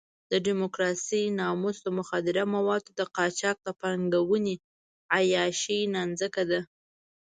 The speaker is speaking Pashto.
د ډیموکراسۍ ناموس د مخدره موادو د قاچاق د پانګې عیاشۍ نانځکه ده.